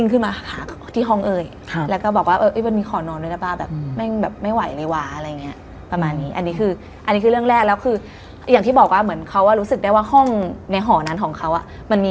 คือพวกผมต้องมาเอานังสือที่เชียงใหม่